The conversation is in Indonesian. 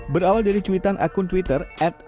berawal dari cuitan akun twitter